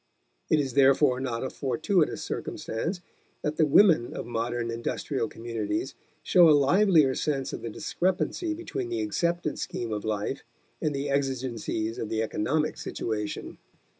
It is therefore not a fortuitous circumstance that the women of modern industrial communities show a livelier sense of the discrepancy between the accepted scheme of life and the exigencies of the economic situation.